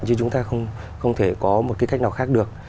chứ chúng ta không thể có một cái cách nào khác được